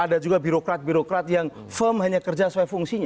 ada juga birokrat birokrat yang firm hanya kerja sesuai fungsinya